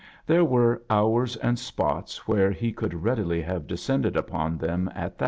There were hours and spots where he rould readily have descend ed upon them at tha.